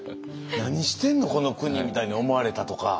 「何してんのこの国」みたいに思われたとか。